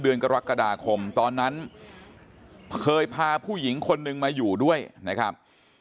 เดือนกรกฎาคมตอนนั้นเคยพาผู้หญิงคนนึงมาอยู่ด้วยนะครับ